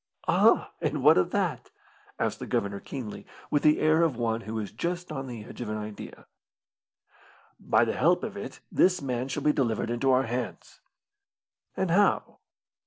"Ah! and what of that?" asked the Governor keenly, with the air of one who is just on the edge of an idea. "By the help of it this man shall be delivered into our hands." "And how?"